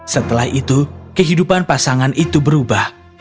setelah itu kehidupan pasangan itu berubah